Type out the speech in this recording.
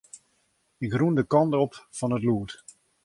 Ik rûn de kant op fan it lûd.